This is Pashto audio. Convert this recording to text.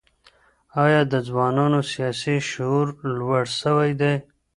ایا د ځوانانو سیاسي شعور لوړ سوی دی؟